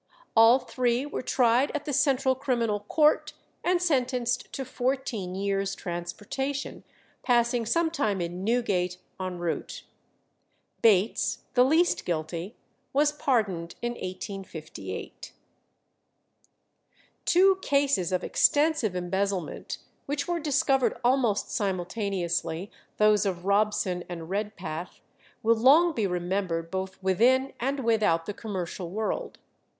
All three were tried at the Central Criminal Court, and sentenced to fourteen years' transportation, passing some time in Newgate en route. Bates, the least guilty, was pardoned in 1858. Two cases of extensive embezzlement which were discovered almost simultaneously, those of Robson and Redpath, will long be remembered both within and without the commercial world.